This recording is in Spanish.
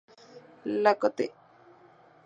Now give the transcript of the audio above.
La Côte